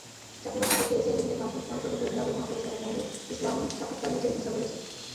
চাকরিবাকরির পক্ষে এসিআই লিমিটেডে মানবসম্পদ বিভাগের মহাব্যবস্থাপক মঈনুল ইসলােমরসাক্ষাৎকার নিয়েছেন মোছাব্বের হোসেন।